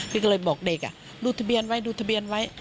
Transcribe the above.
พี่ก็เลยบอกเด็กดูทะเบียนไว้ดูทะเบียนไว้